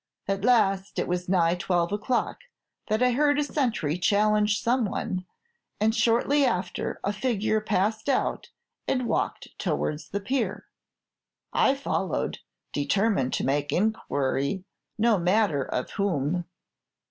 At last, it was nigh twelve o'clock, that I heard a sentry challenge some one, and shortly after a figure passed out and walked towards the pier. I followed, determined to make inquiry, no matter of whom.